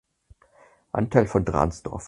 Anteil von Drahnsdorf.